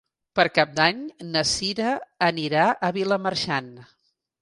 Per Cap d'Any na Sira anirà a Vilamarxant.